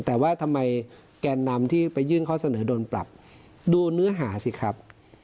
แต่ว่าทำไมแกนนำที่ไปยื่นข้อเสนอโดนปรับดูเนื้อหาสิครับ